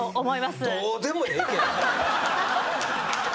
どうでもええけどな。